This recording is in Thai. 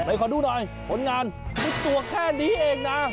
ขอดูหน่อยผลงานทุกตัวแค่นี้เองนะ